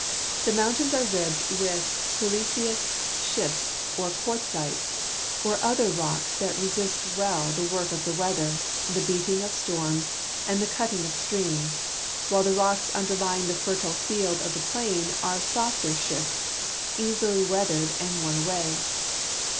The moun tains are ribbed with silicious schists or quartzites or other rocks that resist well the work of the weather, the beating of storms, GEOGRAPHIC HISTOR Y OF PIEDMONT PLA TEA U 2G3 and the cutting of streams, while the rocks underlying the fertile fields of the plain are softer schists easily weathered and worn away.